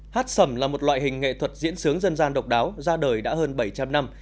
hát sẩm là một loại hình nghệ thuật diễn xướng dân gian độc đáo ra đời đã hơn bảy trăm linh năm